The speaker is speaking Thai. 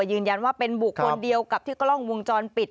ยืนยันว่าเป็นบุคคลเดียวกับที่กล้องวงจรปิด